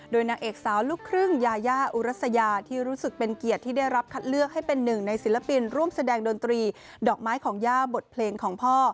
โดยนางเอกสาวลูกครึ่งยายาอุรัสยาที่รู้สึกเป็นเกียรติที่ได้รับคัดเลือกให้เป็นหนึ่งในศิลปินร่วมแสดงดนตรีดอกไม้ของย่าบทเพลงของพ่อ